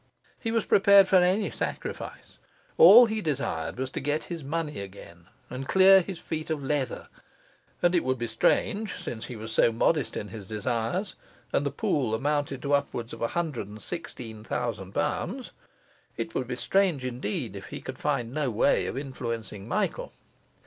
He was prepared for any sacrifice; all he desired was to get his money again and clear his feet of leather; and it would be strange, since he was so modest in his desires, and the pool amounted to upward of a hundred and sixteen thousand pounds it would be strange indeed if he could find no way of influencing Michael.